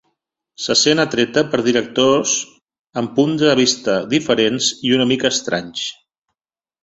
Se sent atreta per directors amb punts de vista diferents i una mica "estranys".